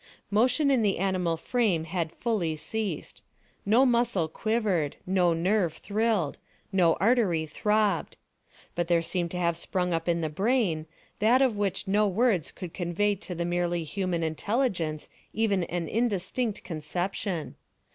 Motion in the animal frame had fully ceased. No muscle quivered; no nerve thrilled; no artery throbbed. But there seemed to have sprung up in the brain, that of which no words could convey to the merely human intelligence even an indistinct conception.